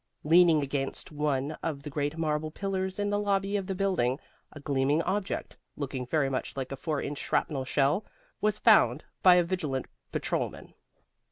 Leaning against one of the great marble pillars in the lobby of the building, a gleaming object (looking very much like a four inch shrapnel shell) was found by a vigilant patrolman.